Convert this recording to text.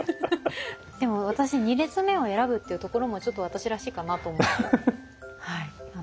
でも私２列目を選ぶっていうところもちょっと私らしいかなと思ってはい。